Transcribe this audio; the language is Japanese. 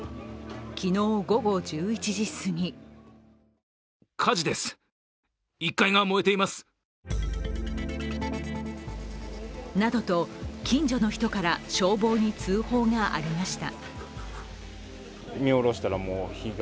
昨日、午後１１時すぎなどと近所の人から消防に通報がありました。